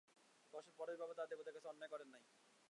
পরেশবাবু তাঁহার দেবতার কাছে অন্যায় করেন নাই।